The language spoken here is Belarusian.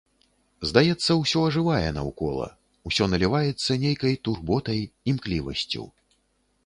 Здаецца, усё ажывае наўкола, усё наліваецца нейкай турботай, імклівасцю.